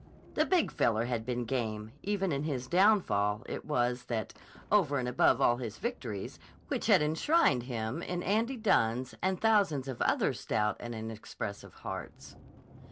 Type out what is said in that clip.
The Big Feller had been game, even in his downfall; it was that, over and above all his victories, which had enshrined him in Andy Dunne's and thousands of other stout and inexpressive hearts.